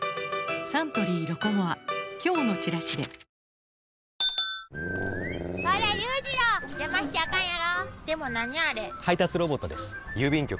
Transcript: サントリー「ロコモア」今日のチラシでファミチキが！？